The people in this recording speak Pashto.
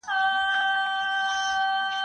زه زدکړه کړې ده؟